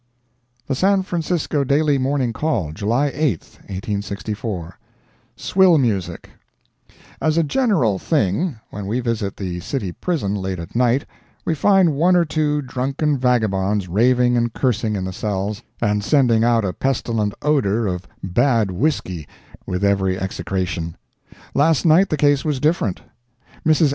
The San Francisco Daily Morning Call, July 8, 1864 SWILL MUSIC As a general thing, when we visit the City Prison late at night, we find one or two drunken vagabonds raving and cursing in the cells, and sending out a pestilent odor of bad whiskey with every execration. Last night the case was different. Mrs.